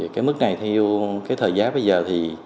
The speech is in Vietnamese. cái mức này theo cái thời giá bây giờ thì